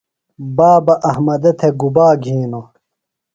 بابہ احمدہ تھےۡ گُبا گِھینوۡ ؟